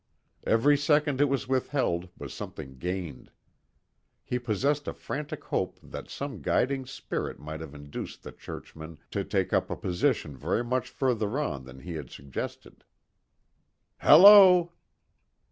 Every second it was withheld was something gained. He possessed a frantic hope that some guiding spirit might have induced the churchman to take up a position very much further on than he had suggested. "Hallo!"